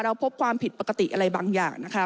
พบความผิดปกติอะไรบางอย่างนะคะ